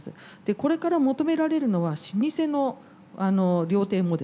これから求められるのは老舗の料亭モデル。